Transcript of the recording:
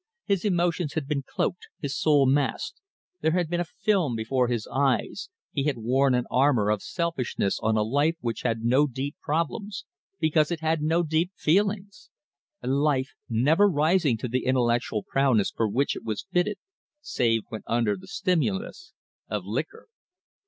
His emotions had been cloaked, his soul masked, there had been a film before his eyes, he had worn an armour of selfishness on a life which had no deep problems, because it had no deep feelings a life never rising to the intellectual prowess for which it was fitted, save when under the stimulus of liquor.